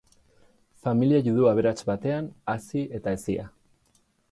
Familia judu aberats batean hazi eta hezia.